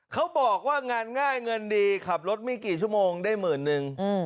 เขาบอกว่างานง่ายเงินดีขับรถไม่กี่ชั่วโมงได้หมื่นนึง